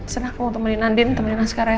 senang kamu temenin andin temenin askara ya